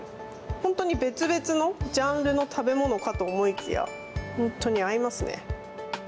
本当に別々のジャンルの食べ物かと思いきや本当に合いますね。